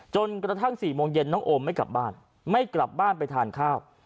จนกระทั่ง๔โมงเย็นน้องโอมไม่กลับบ้านไม่กลับบ้านไปทานข้าว